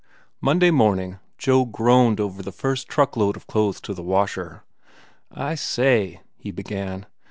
Monday morning, Joe groaned over the first truck load of clothes to the washer. "I say," he began.